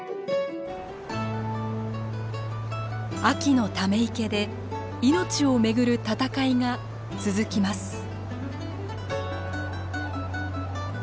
秋のため池で命を巡る戦いが続きます。